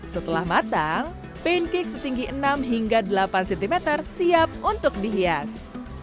setelah matang pancake setinggi enam hingga delapan cm siap untuk dihias